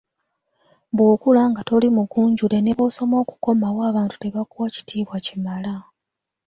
Bw’okula nga toli mugunjule ne bw’osoma okukoma wa abantu tebakuwa kiyitibwa kimala.